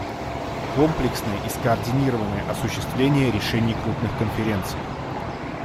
Комплексное и скоординированное осуществление решений крупных конференций.